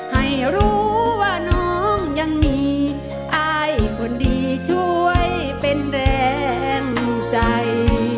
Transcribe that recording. ให้รู้ว่าน้องยังมีอายคนดีช่วยเป็นแรงใจ